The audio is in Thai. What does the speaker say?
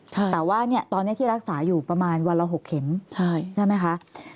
แต่ว่าตอนนี้ที่รักษาอยู่ประมาณวันละ๖เข็มใช่ไหมคะ